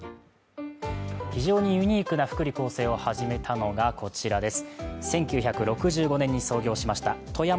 非常にユニークな福利厚生を始めたのがこちらです。